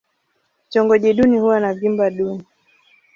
Vitongoji duni huwa na vyumba duni.